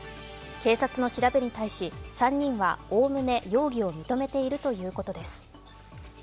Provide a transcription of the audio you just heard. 警察の調べに対し、３人はおおむね容疑を認めているということです。